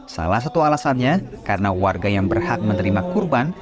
salah satu alasannya karena warga yang berhak menerima kurban